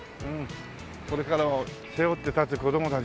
これからを背負って立つ子供たちだから。